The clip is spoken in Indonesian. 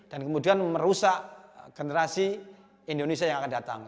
dan kemudian merusak generasi indonesia yang akan datang